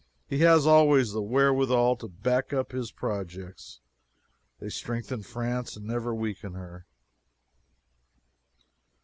He has always the wherewithal to back up his projects; they strengthen France and never weaken her.